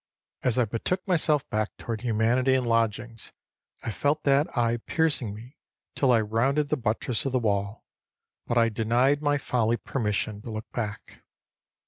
As I betook myself back toward humanity and lodgings, I felt that eye piercing me till I rounded the buttress of the wall; but I denied my folly permission to look back.